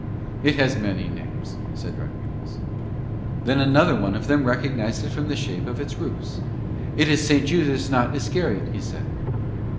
"It has many names," said Rodriguez. And then another one of them recognised it from the shape of its roofs. "It is Saint Judas not Iscariot," he said.